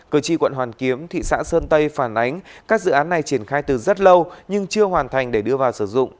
cử tri quận hoàn kiếm thị xã sơn tây phản ánh các dự án này triển khai từ rất lâu nhưng chưa hoàn thành để đưa vào sử dụng